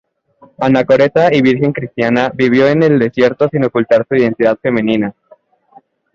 Anacoreta y virgen cristiana, vivió en el desierto sin ocultar su identidad femenina.